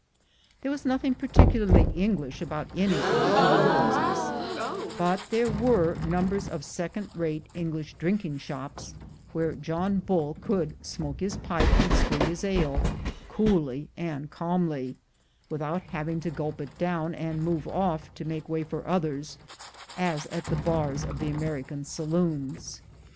There was nothing particularly English about any of the eating houses; but there were numbers of second rate English drinking shops, where John Bull could smoke his pipe and swig his ale coolly and calmly, without having to gulp it down and move off to make way for others, as at the bars of the Ameri can saloons.